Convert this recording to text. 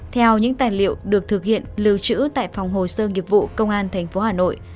theo những tài liệu được thực hiện lưu trữ tại phòng hồ sơ nghiệp vụ công an tp hà nội